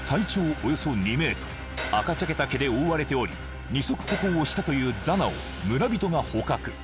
およそ２ｍ赤茶けた毛で覆われており二足歩行したというザナを村人が捕獲